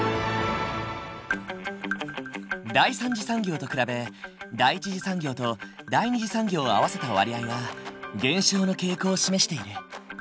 第三次産業と比べ第一次産業と第二次産業を合わせた割合は減少の傾向を示している。